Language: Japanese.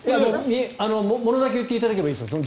物だけ言っていただければいいですよ。